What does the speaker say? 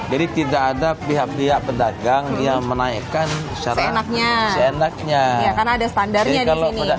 jadi tidak ada pihak pihak pedagang yang menaikkan secara enaknya enaknya karena ada standarnya kalau